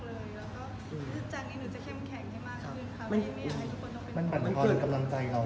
เพราะว่าแบบโดยทุกคนจะเป็นกำลังใจให้เรา